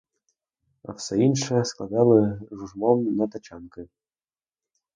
А все інше складали жужмом на тачанки.